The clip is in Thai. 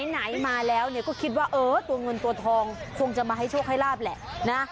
ไหนมาแล้วก็คิดว่าเออตัวเงินตัวทองคงจะมาให้โชคให้ลาบแหละนะ